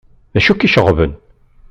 D acu i k-iceɣben?